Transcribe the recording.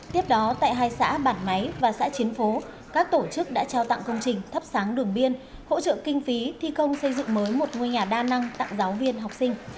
tiếp đó tại hai xã bản máy và xã chiến phố các tổ chức đã trao tặng công trình thắp sáng đường biên hỗ trợ kinh phí thi công xây dựng mới một ngôi nhà đa năng tặng giáo viên học sinh